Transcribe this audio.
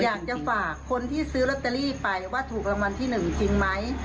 อยากจะฝากคนที่ซื้อลอตเตอรี่ไปว่าถูกรางวัลที่๑จริงไหม